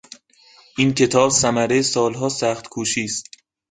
این کتاب ثمرهی سالها سخت کوشی است.